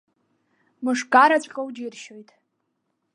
Мышгараҵәҟьоу џьыршьоит.